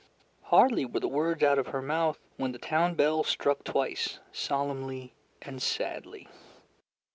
Hardly were the words out of her mouth, when the town bell struck twice, solemnly and sadly.